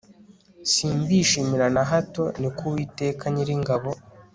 Simbishimira na hato ni ko Uwiteka Nyiringabo